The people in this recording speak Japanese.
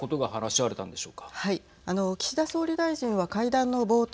あの岸田総理大臣は会談の冒頭